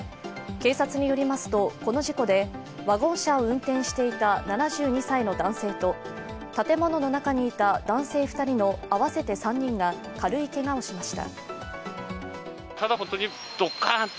警察によりますとこの事故で、ワゴン車を運転していた７２歳の男性と建物の中にいた男性２人の合わせて３人が軽いけがをしました。